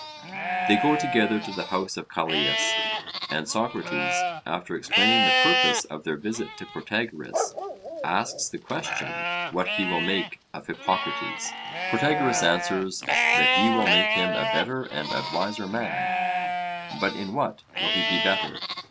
They go together to the house of Callias; and Socrates, after explaining the purpose of their visit to Protagoras, asks the question, 'What he will make of Hippocrates.' Protagoras answers, 'That he will make him a better and a wiser man.' 'But in what will he be better?'